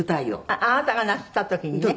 あなたがなすった時にね。